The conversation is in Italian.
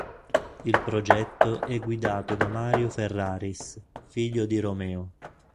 Il progetto è guidato da Mario Ferraris, figlio di Romeo.